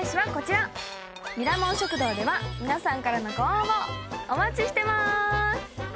ミラモン食堂では皆さんからのご応募お待ちしてます。